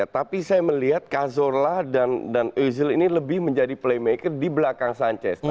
tapi saya melihat kazola dan ozil ini lebih menjadi playmaker di belakang sanchez